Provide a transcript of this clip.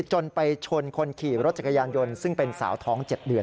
จนไปชนคนขี่รถจักรยานยนต์ซึ่งเป็นสาวท้อง๗เดือน